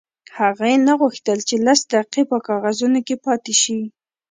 هغې نه غوښتل چې لس دقیقې په کاغذونو کې پاتې شي